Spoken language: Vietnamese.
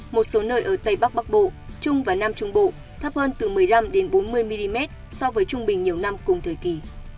một số nơi ở tây bắc bắc bộ trung và nam trung bộ thấp hơn từ một mươi năm bốn mươi mm so với trung bình nhiều năm cùng thời kỳ